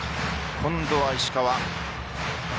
今度は石川。